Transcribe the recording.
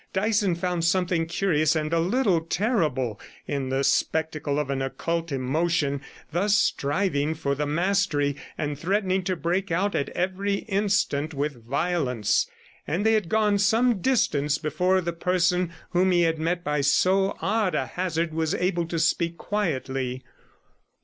Dyson found something curious and a little terrible, in the spectacle of an occult emotion thus striving for the mastery, and threatening to break out at every instant with violence; and they had gone some distance before the person whom he 16 had met by so odd a hazard was able to speak quietly.